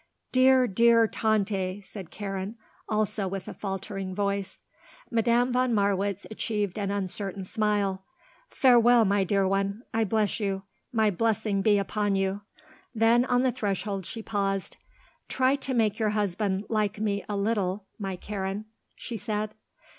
"Dear, dear Tante," said Karen, also with a faltering voice. Madame von Marwitz achieved an uncertain smile. "Farewell, my dear one. I bless you. My blessing be upon you." Then, on the threshold she paused. "Try to make your husband like me a little, my Karen," she said.